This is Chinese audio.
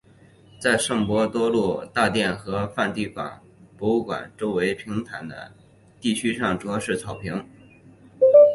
在圣伯多禄大殿和梵蒂冈博物馆周围平坦的地区上主要是草坪。